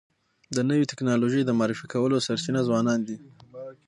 د نوي ټکنالوژۍ د معرفي کولو سرچینه ځوانان دي.